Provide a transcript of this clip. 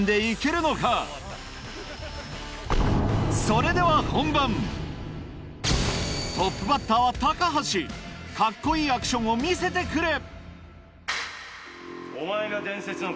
それでは本番トップバッターは橋カッコいいアクションを見せてくれ！